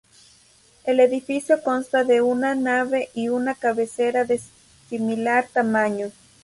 El edificio consta de una nave y una cabecera de similar tamaño.